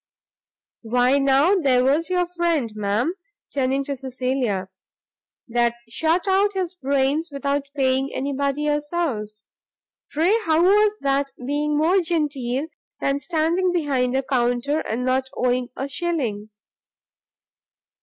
Why now there was your friend, ma'am," turning to Cecilia, "that shot out his brains without paying any body a souse; pray how was that being more genteel than standing behind a counter, and not owing a shilling?"